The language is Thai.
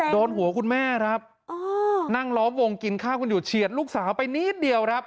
โดนหัวคุณแม่ครับนั่งล้อมวงกินข้าวกันอยู่เฉียดลูกสาวไปนิดเดียวครับ